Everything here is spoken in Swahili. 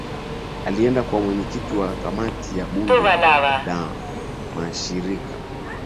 alienda kwa mwenyeKiti wa kamati ya bunge la mashirika